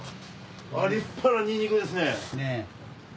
立派なニンニクですね。